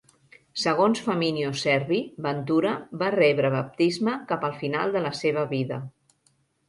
Segons Faminio Servi, Ventura va rebre baptisme cap al final de la seva vida.